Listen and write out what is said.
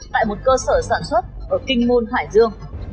tại một cơ sở sản xuất ở kinh môn hải dương